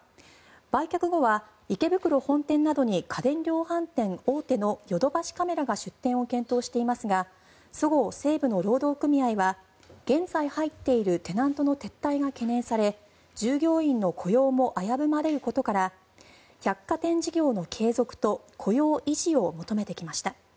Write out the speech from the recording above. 売却後は池袋本店などに家電量販店大手のヨドバシカメラが出店を検討していますがそごう・西武の労働組合は現在入っているテナントの撤退が懸念され従業員の雇用も危ぶまれることから百貨店事業の継続と雇用維持を求めてきました。